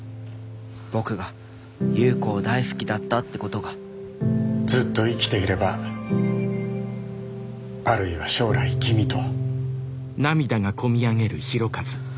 僕が夕子を大好きだったってことがずっと生きていればあるいは将来きみと。